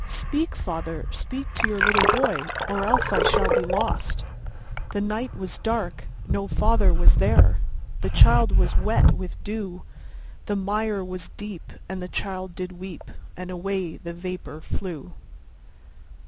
Speak, father, speak to your little boy, Or else I shall be lost.' The night was dark, no father was there, The child was wet with dew; The mire was deep, and the child did weep, And away the vapour flew.